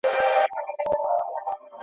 ميرويس خان د ګرګين ظلمونو ته څه غبرګون وښود؟